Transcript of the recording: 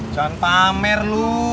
cuman pamer lu